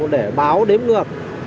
để báo đếm ngược